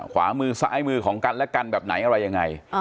ขวามือซ้ายมือของกันและกันแบบไหนอะไรยังไง